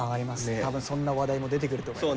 多分そんな話題も出てくると思います。